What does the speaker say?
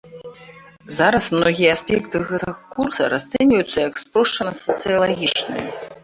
Зараз многія аспекты гэтага курса расцэньваюцца як спрошчана-сацыялагічныя.